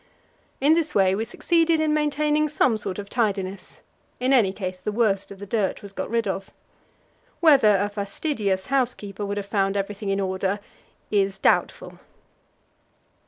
In this way we succeeded in maintaining some sort of tidiness; in any case, the worst of the dirt was got rid of. Whether a fastidious housekeeper would have found everything in order is doubtful.